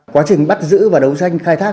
quá trình bắt giữ và đấu tranh khai thác